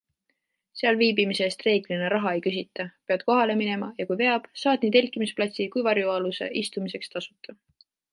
Seal viibimise eest reeglina raha ei küsita, pead kohale minema ja kui veab, saad nii telkimisplatsi kui varjualuse istumiseks tasuta.